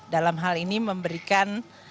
dalam hal ini memberikan